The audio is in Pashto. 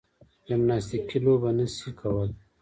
جمناستیکي لوبه نه شي کولای.